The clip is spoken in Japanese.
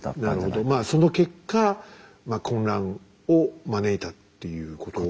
なるほどまあその結果混乱を招いたっていうことですね。